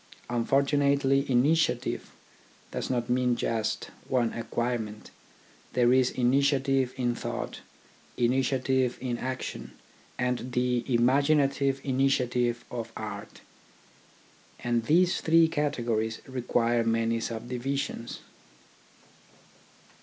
Unfortunately initiative does not mean just one acquirement — there is initiative in thought, initiative in action, and the imagina tive initiative of art ; and these three categories require many subdivisions.